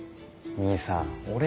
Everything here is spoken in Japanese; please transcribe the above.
兄さん俺は。